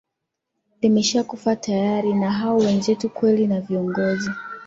limesha kufa tayari na hao wenzetu kweli na viongozi